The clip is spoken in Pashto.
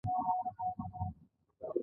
یو سل او درویشتمه پوښتنه د اکرامیې په اړه ده.